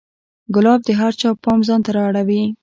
ګلاب د هر چا پام ځان ته را اړوي.